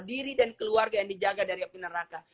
diri dan keluarga yang dijaga dari api neraka